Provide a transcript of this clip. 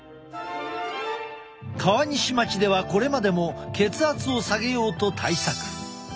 川西町ではこれまでも血圧を下げようと対策。